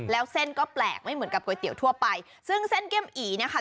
แล้วเส้นก็แปลกไม่เหมือนกับก๋วยเตี๋ยวทั่วไปซึ่งเส้นแก้มอีเนี่ยค่ะ